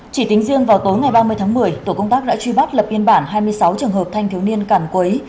chỉ tính riêng vào tối ngày ba mươi tháng một mươi tổ công tác đã truy bắt lập biên bản hai mươi sáu trường hợp thanh thiếu niên càn quấy